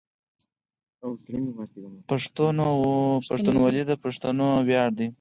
پښتونولي د پښتنو ویاړ ده.